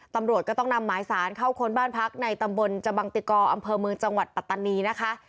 ตำรวจก็ต้องนำหมายสารเข้าค้นบ้านพักในตำบลจบังติกออำเภอเมืองจังหวัดปัตตานีนะคะ